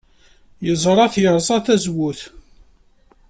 Yeẓra-t yerẓa tazewwut.